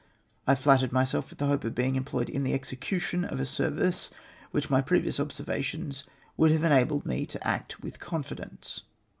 I flattered myself with the hope of being employed in the execution of a service on which my previous observations would have enabled me to act with confidence.